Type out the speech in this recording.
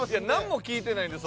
何も聞いてない。